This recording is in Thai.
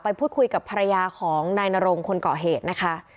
พูดคุยกับภรรยาของนายนรงคนเกาะเหตุนะคะ